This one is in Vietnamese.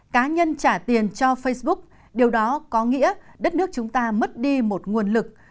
cá nhân trả tiền cho facebook điều đó có nghĩa đất nước chúng ta mất đi một nguồn lực